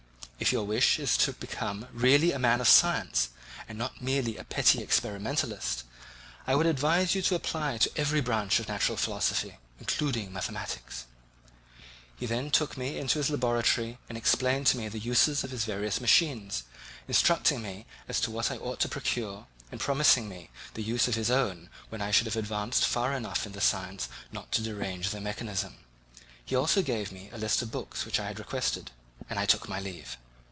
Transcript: If your wish is to become really a man of science and not merely a petty experimentalist, I should advise you to apply to every branch of natural philosophy, including mathematics." He then took me into his laboratory and explained to me the uses of his various machines, instructing me as to what I ought to procure and promising me the use of his own when I should have advanced far enough in the science not to derange their mechanism. He also gave me the list of books which I had requested, and I took my leave.